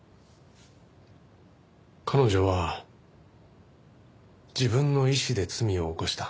彼女は自分の意思で罪を犯した。